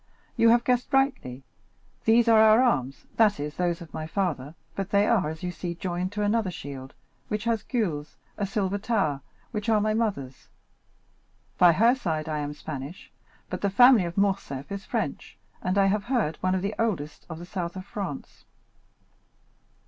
"You have guessed rightly. These are our arms, that is, those of my father, but they are, as you see, joined to another shield, which has gules, a silver tower, which are my mother's. By her side I am Spanish, but the family of Morcerf is French, and, I have heard, one of the oldest of the south of France."